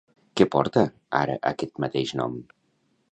Què porta ara aquest mateix nom?